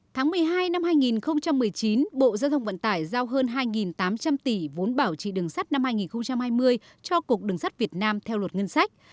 tháng một mươi hai năm hai nghìn một mươi chín bộ giao thông vận tải giao hơn hai tám trăm linh tỷ vốn bảo trị đường sắt năm hai nghìn hai mươi cho cục đường sắt việt nam theo luật ngân sách